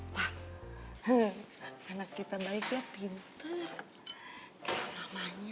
pak anak kita baiknya pinter kayak mamanya